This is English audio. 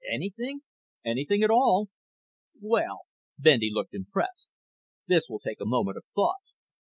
"Anything at all." "Well." Bendy looked impressed. "This will take a moment of thought.